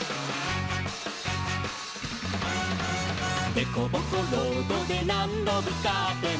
「でこぼこロードでなんどぶつかっても」